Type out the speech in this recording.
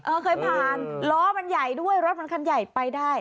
เคยผ่านล้อมันใหญ่ด้วยรถมันคันใหญ่ไปได้